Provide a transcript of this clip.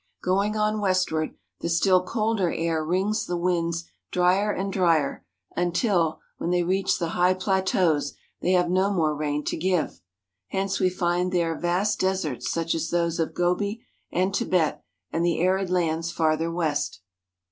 Going on westward, the still colder air wrings the winds dryer and dryer until, when they reach the high plateaus, they have no more rain to give. Hence we find there vast deserts such as those of Gobi and Tibet and the arid lands farther west.